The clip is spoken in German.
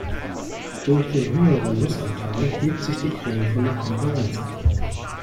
Durch den höheren Nussanteil hebt sich die Creme von der Konkurrenz ab.